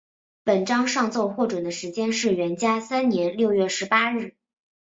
本章上奏获准的时间是元嘉三年六月十八日。